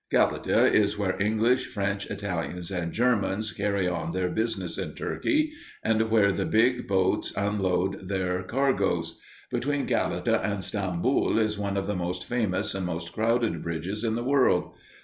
Galata is where English, French, Italians, and Germans carry on their business in Turkey, and where the big boats unload their cargoes. Between Galata and Stamboul is one of the most famous and most crowded bridges in the world.